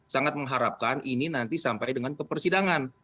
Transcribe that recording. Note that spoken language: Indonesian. sangat mengharapkan ini nanti sampai dengan kepersidangan